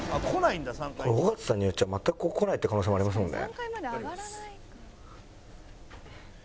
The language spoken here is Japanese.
これ尾形さんによっちゃ全くここ来ないって可能性もありますもんね。